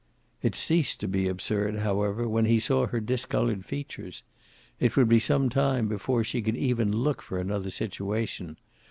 It ceased to be absurd, however, when he saw her discolored features. It would be some time before she could even look for another situation.